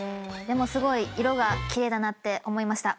でもすごい色が奇麗だなって思いました。